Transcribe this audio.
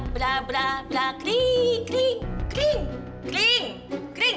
bra bra bra kering kering kering kering kering